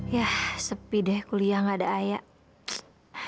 tapi deh kuliah gak ada ayah